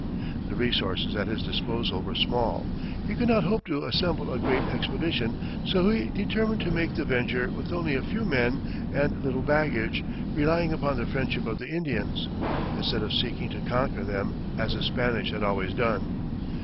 The resources at his disposal were small, he could not hope to assemble a great expedition; so he determined to make the venture with only a few men and little baggage, relying upon the friendship of the Indians, instead of seeking to conquer them, as the Spaniards had always done.